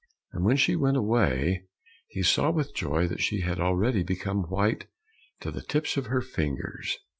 And when she went away, he saw with joy that she had already become white to the tips of her fingers.